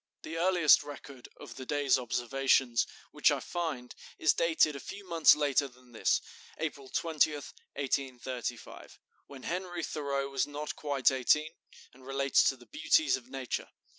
The earliest record of the day's observations which I find is dated a few months later than this (April 20, 1835), when Henry Thoreau was not quite eighteen, and relates to the beauties of nature.